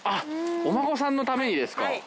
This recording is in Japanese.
お孫さんのためにですか？